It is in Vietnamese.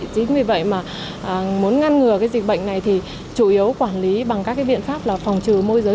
chính vì vậy mà muốn ngăn ngừa cái dịch bệnh này thì chủ yếu quản lý bằng các biện pháp là phòng trừ môi giới